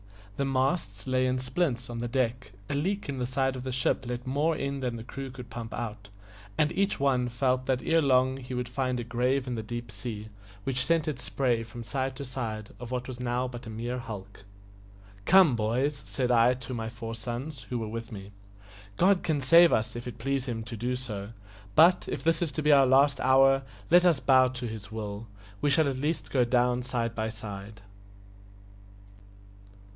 The masts lay in splints on the deck, a leak in the side of the ship let more in than the crew could pump out, and each one felt that ere long he would find a grave in the deep sea, which sent its spray from side to side of what was now but a mere hulk. "Come, boys," said I to my four sons, who were with me, "God can save us if it please Him so to do; but, if this is to be our last hour, let us bow to His will we shall at least go down side by side."